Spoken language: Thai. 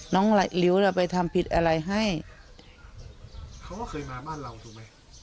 น้องลิ้วเนี่ยไปทำผิดอะไรให้เขาก็เคยมาบ้านเราถูกไหม